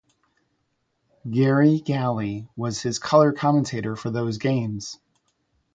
Garry Galley was his color commentator for those games.